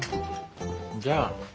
じゃあ。